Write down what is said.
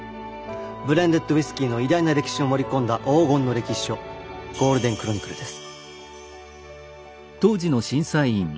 ブレンデッドウイスキーの偉大な歴史を盛り込んだ黄金の歴史書ゴールデンクロニクルです。